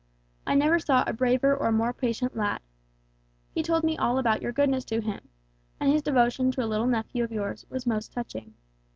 I never saw a braver or more patient lad. He told me all about your goodness to him, and his devotion to a little nephew of yours was most touching.